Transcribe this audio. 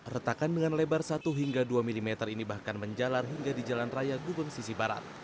retakan dengan lebar satu hingga dua mm ini bahkan menjalar hingga di jalan raya gubeng sisi barat